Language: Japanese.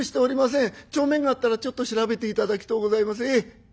帳面があったらちょっと調べて頂きとうございます。